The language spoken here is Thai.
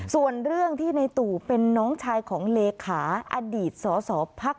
ส่วนเรื่องที่ในตู่เป็นน้องชายของเลขาอดีตสอสอภักดิ์